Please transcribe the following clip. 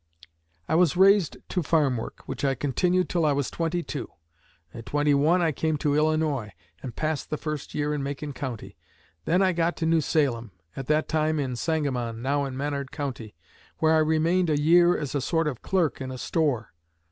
I was raised to farm work, which I continued till I was twenty two. At twenty one I came to Illinois, and passed the first year in Macon County. Then I got to New Salem, at that time in Sangamon, now in Menard County, where I remained a year as a sort of clerk in a store.